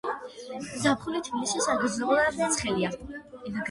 ზაფხული თბილისში საგრძნობლად ცხელია.